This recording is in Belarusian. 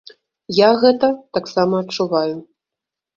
Я гэта таксама адчуваю.